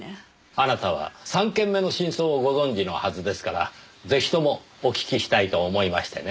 あなたは３件目の真相をご存じのはずですからぜひともお聞きしたいと思いましてねぇ。